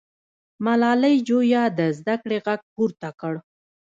ملالۍ جویا د زده کړې غږ پورته کړ.